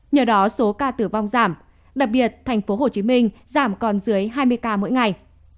nhờ đó số ca tử vong giảm đặc biệt tp hcm giảm còn dưới hai mươi ca mỗi ngày